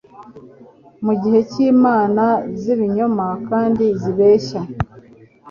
mugihe cyimana zibinyoma kandi zibeshya